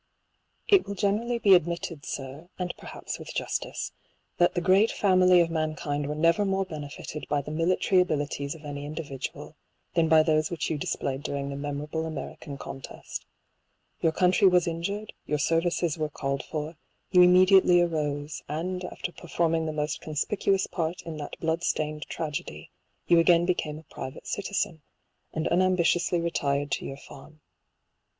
IT will generally be admitted, sir, and perhaps with justice, that the great family of mankind were never more benefited by the military abilities of any indivi dual, than by those which you displayed during the memorable American contest. Your country was in jured , your services were called for ; you immediately arose, and after performing the most conspicuous part in that blood stained tragedy, you again became a pri vate citizen, and un ambitiously retired to your farm.